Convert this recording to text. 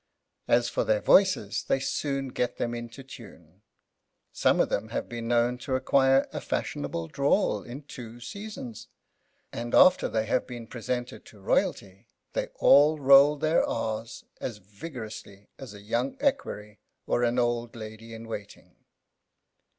As for their voices they soon get them into tune. Some of them have been known to acquire a fashionable drawl in two seasons; and after they have been presented to Royalty they all roll their R’s as vigorously as a young equerry or an old lady in waiting.